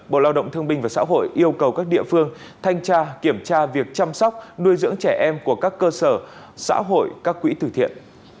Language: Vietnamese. bộ lao động thương binh và xã hội yêu cầu các địa phương thanh tra kiểm tra việc chăm sóc nuôi dưỡng trẻ em của các cơ sở xã hội các quỹ tử thiện